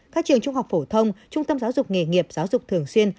các trường trung học phổ thông trung tâm giáo dục nghề nghiệp giáo dục thường xuyên